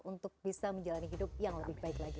untuk bisa menjalani hidup yang lebih baik lagi